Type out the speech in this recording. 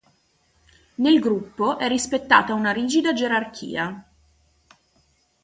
Nel gruppo è rispettata una rigida gerarchia.